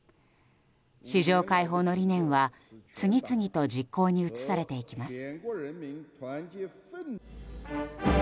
市場開放の理念は次々と実行に移されていきます。